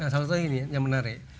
salah satu hal ini yang menarik